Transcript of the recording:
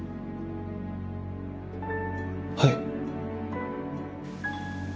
はい。